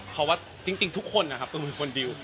เพราะว่าจริงทุกคนนะครับตูมเป็นคนดิว